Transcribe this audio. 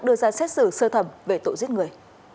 đưa ra xét xử sơ thẩm về tội giết người